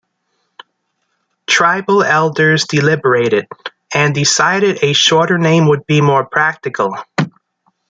Tribal elders deliberated, and decided a shorter name would be more practical.